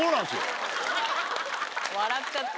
笑っちゃった。